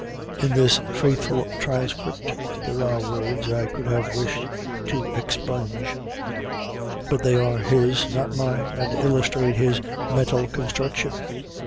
In this faithful transcript there are words I could have wished to expunge, but they are his, not mine, and illustrate his mental construction.